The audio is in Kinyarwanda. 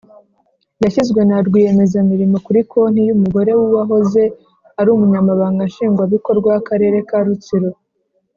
yashyizwe na rwiyemezamirimo kuri konti y’umugore w’uwahoze ari umunyamabanga nshingwabikorwa w’akarere ka rutsiro).